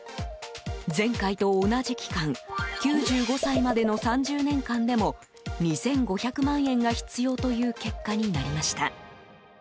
前回と同じ期間９５歳までの３０年間でも２５００万円が必要という結果になりました。